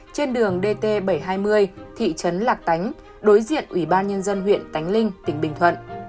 trên đường dt bảy trăm hai mươi thị trấn lạc tánh đối diện ủy ban nhân dân huyện tánh linh tỉnh bình thuận